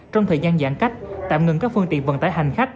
trong thời gian giãn cách tạm ngừng các phương tiện vận tải hành khách